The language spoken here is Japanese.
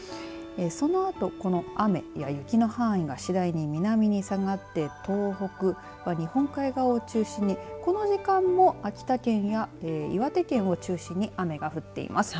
そのあと、この雨や雪の範囲が次第に南に下がって東北は、日本海側を中心にこの時間も秋田県や岩手県を中心に雨が降っています。